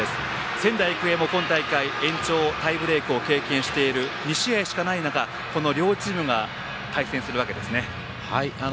仙台育英も今大会、延長タイブレークを経験している２試合しかない中この両チームが対戦するわけですね。